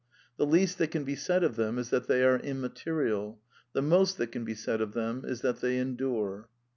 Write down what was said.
The least that can be ^aid of them is that they are immateriaL The most that jcan be said of them is that they endure.